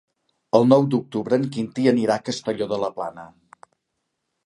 El nou d'octubre en Quintí anirà a Castelló de la Plana.